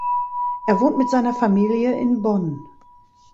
Er wohnt mit seiner Familie in Bonn.